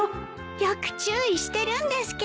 よく注意してるんですけど。